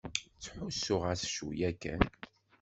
Ttḥussuɣ-as cwiya kan.